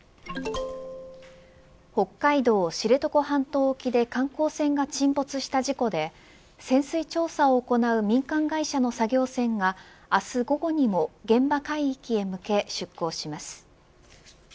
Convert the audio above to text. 北海道、知床半島沖で観光船が沈没した事故で潜水調査を行う民間会社の作業船が明日午後にも現場海域に向け出港します。